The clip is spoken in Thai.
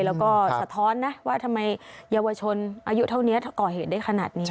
แล้วก็สะท้อนนะว่าทำไมเยาวชนอายุเท่านี้ก่อเหตุได้ขนาดนี้